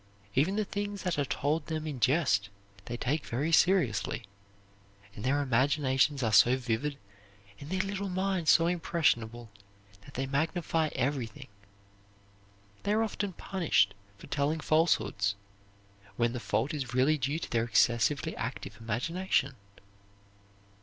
Even the things that are told them in jest they take very seriously; and their imaginations are so vivid and their little minds so impressionable that they magnify everything. They are often punished for telling falsehoods, when the fault is really due to their excessively active imagination.